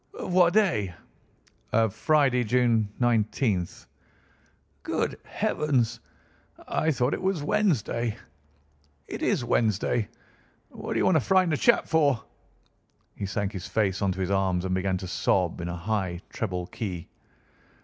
"Of what day?" "Of Friday, June 19th." "Good heavens! I thought it was Wednesday. It is Wednesday. What d'you want to frighten a chap for?" He sank his face onto his arms and began to sob in a high treble key.